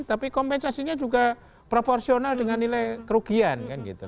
tapi kompensasinya juga proporsional dengan nilai kerugian